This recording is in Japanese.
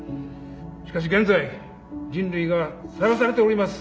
しかし現在人類がさらされております